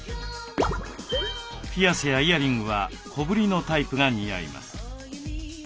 ピアスやイアリングは小ぶりのタイプが似合います。